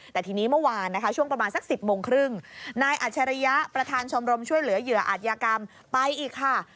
แต่ทีนี้เมื่อวานนะคะช่วงประมาณสัก๑๐โมงครึ่งนายอัจฉริยะประธานชมรมช่วยเหลือเหยื่ออาจยากรรมไปอีกค่ะ